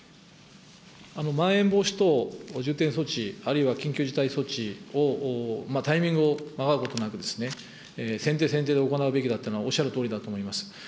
まん延防止等重点措置、あるいは緊急事態措置を、タイミングをまがうことなく、先手先手で行うべきだっていうのは、おっしゃるとおりだと思います。